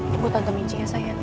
tunggu tante minci ya sayang